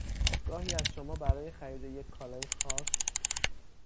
گاهی ازشما برای خرید یک کالای خاص